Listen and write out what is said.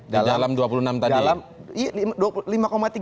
di dalam dua puluh enam tadi